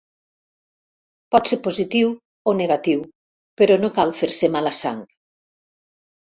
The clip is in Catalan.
Pot ser positiu o negatiu, però no cal fer-se mala sang.